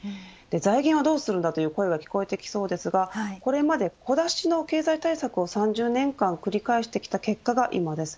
財源はどうするんだという声が聞こえてきそうですがこれまで小出しの経済対策を３０年間繰り返して結果が今です。